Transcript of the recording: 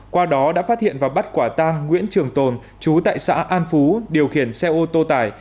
qua đó đã phát hiện và bắt quả tang nguyễn trường tồn chú tại xã an phú điều khiển xe ô tô tải